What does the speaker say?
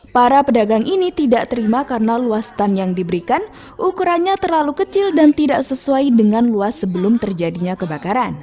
para pedagang ini tidak terima karena luas stand yang diberikan ukurannya terlalu kecil dan tidak sesuai dengan luas sebelum terjadinya kebakaran